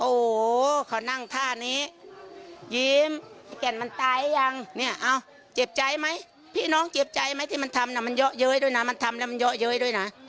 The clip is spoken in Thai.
โอ้โหเขานั่งท่านี้ยิ้มไอ้แก่นมันตายยังเนี่ยเอ้าเจ็บใจไหมพี่น้องเจ็บใจไหมที่มันทำน่ะมันเยอะเย้ยด้วยนะมันทำแล้วมันเยอะเย้ยด้วยนะ